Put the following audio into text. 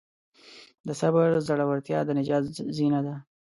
د صبر زړورتیا د نجات زینه ده.